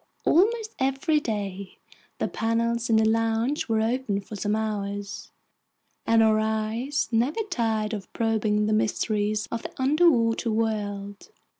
Almost every day the panels in the lounge were open for some hours, and our eyes never tired of probing the mysteries of the underwater world.